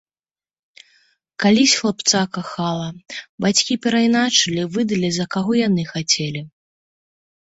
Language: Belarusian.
Калісь хлапца кахала, бацькі перайначылі, выдалі, за каго яны хацелі.